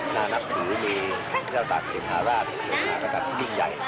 นานับถือมีเจ้าตากสินธราชนาฬิกาสัตว์ที่ยิ่งใหญ่